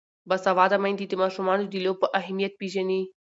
باسواده میندې د ماشومانو د لوبو اهمیت پېژني.